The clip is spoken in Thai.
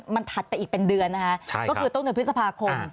มันถัดไปอีกเป็นเดือนนะคะก็คือต้นเดือนพฤษภาคม